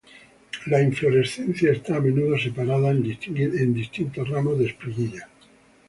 La inflorescencia está a menudo separadas en distintos ramos de espiguillas.